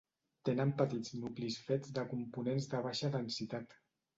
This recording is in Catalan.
Tenen petits nuclis fets de components de baixa densitat.